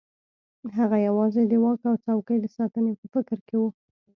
هغه یوازې د واک او څوکۍ د ساتنې په فکر کې وو.